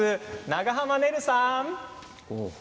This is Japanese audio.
長濱ねるさん！